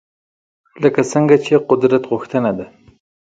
لکه څنګه چې قدرت غوښتنه ده